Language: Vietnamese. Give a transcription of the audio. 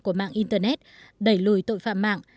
của mạng internet đẩy lùi tội phạm mạng